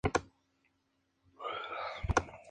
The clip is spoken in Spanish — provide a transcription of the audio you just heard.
Los fines de semana se emiten los programas nacionales...